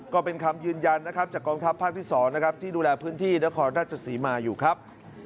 ก็เป็นคำยืนยันจากกองทัพภาคที่๒ที่ดูแลพื้นที่นครราชสีมาอยู่ครับ